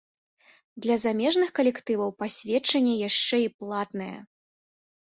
Для замежных калектываў пасведчанне яшчэ і платнае.